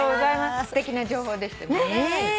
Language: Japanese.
すてきな情報でしたね。